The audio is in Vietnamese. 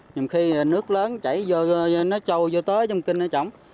nhưng khi nước lớn chảy vô nó trôi vô tới trong kinh ở trong